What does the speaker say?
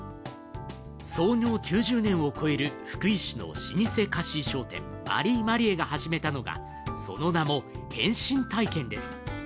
創業９０年を超える福井市の老舗貸衣装店、マリーマリエが始めたのが、その名も変身体験です。